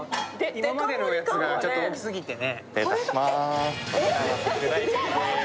今までのやつがちょっと大きすぎてね。